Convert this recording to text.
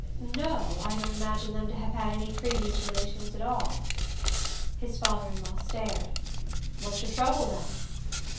"No I don't imagine them to have had any previous relations at all." His father in law stared. "Where's your trouble, then?"